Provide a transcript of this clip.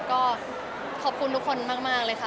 ก็ขอบคุณทุกคนมากเลยค่ะ